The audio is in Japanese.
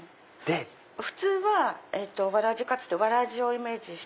普通はわらじかつってわらじをイメージして。